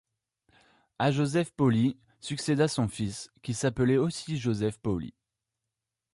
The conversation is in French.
À Josef Pauly succéda son fils, qui s'appelait aussi Josef Pauly.